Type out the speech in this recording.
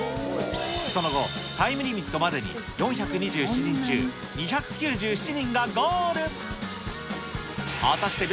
その後、タイムリミットまでに４２７人中、２９７人がゴール。